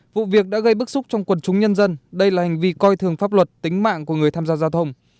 vụ việc đã gây bức xúc trong quần chúng nhân dân đây là hành vi coi thường pháp luật tính mạng của người tham gia giao thông